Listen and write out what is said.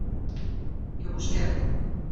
Què busquem?